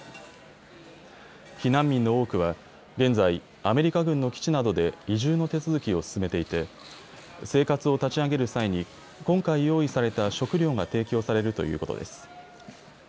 避難民の多くは現在アメリカ軍の基地などで移住の手続きを進めていて生活を立ち上げる際に今回用意された食糧が提供されるということです。